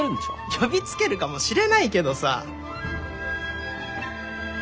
呼びつけるかもしれないけどさ！